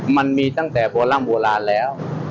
มันมีตั้งแต่โบราณแล้ว